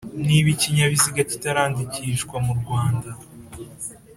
niba ikinyabiziga kitarandikishwa mu Rwanda